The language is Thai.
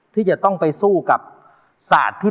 ที่จะต้องไปสู้กับสาธิต